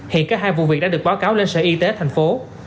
hiện cả hai vụ việc đã được báo cáo lên sở y tế tp hcm